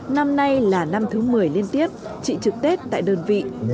năm nay là năm thứ một mươi liên tiếp chị trực tết tại đơn vị